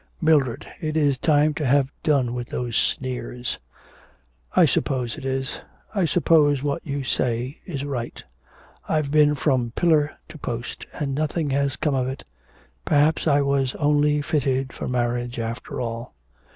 'Mildred, it is time to have done with those sneers.' 'I suppose it is. I suppose what you say is right. I've been from pillar to post and nothing has come of it. Perhaps I was only fitted for marriage after all.'